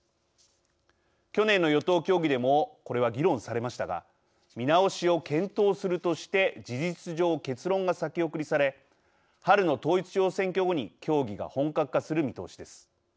去年の与党協議でもこれは議論されましたが「見直しを検討する」として事実上結論が先送りされ春の統一地方選挙後に協議が本格化する見通しです。